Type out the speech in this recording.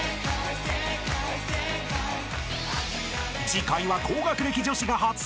［次回は］